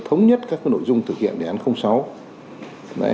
thống nhất các nội dung thực hiện đề án sáu